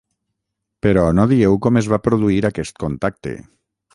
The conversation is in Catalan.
Però no dieu com es va produir aquest contacte.